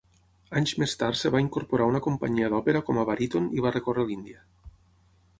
Anys més tard es va incorporar a una companyia d'òpera com a baríton i va recórrer l'Índia.